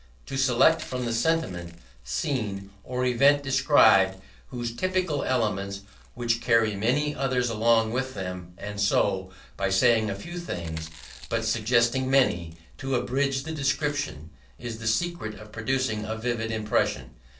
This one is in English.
To select from the sentiment, scene, or event described those typical elements which carry many others along with them; and so, by saying a few things but suggesting many, to abridge the description; is the secret of producing a vivid impression.